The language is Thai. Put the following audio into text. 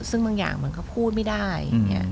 ซึ่งบางอย่างมันก็พูดไม่ได้